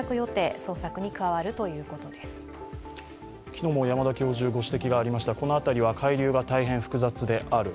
昨日も山田教授からご指摘がありましたが、この辺りは海流が大変複雑である。